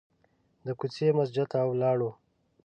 د کوڅې مسجد ته ولاړو.